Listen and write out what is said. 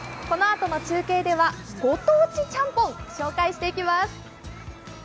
このあとの中継では御当地ちゃんぽん、紹介していきます。